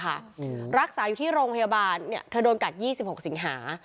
อืมรักษาอยู่ที่โรงพยาบาลเนี่ยเธอโดนกัดยี่สิบหกสิงหา